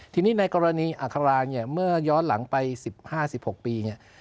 ทีนี้ในกรณีอาคาราเมื่อย้อนหลังไป๑๕๑๖ปี